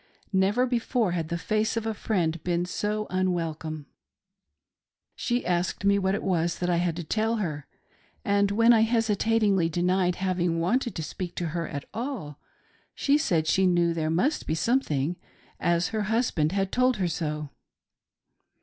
Never before had the face of a friend been so unwelcome. She asked me what it was that I had to tell her ; and when' I hesitatingly denied having wanted to speak to her at all, she said she knew there must be something, as her husband had told her so.